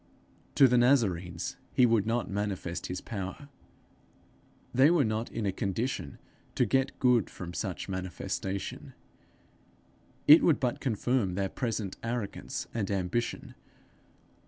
To the Nazarenes he would not manifest his power; they were not in a condition to get good from such manifestation: it would but confirm their present arrogance and ambition.